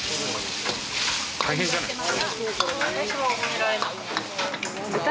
大変じゃないですか？